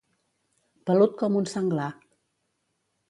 Pelut com un senglar.